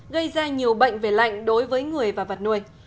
gây ra nhiều bệnh về lạnh đối với người và vật nuôi